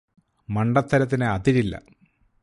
മണ്ടത്തരത്തിന് അതിരില്ല